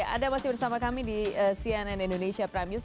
anda masih bersama kami di cnn indonesia prime news